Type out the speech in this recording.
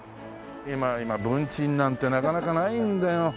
今文鎮なんてなかなかないんだよ。